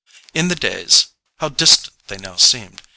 In the days—how distant they now seemed!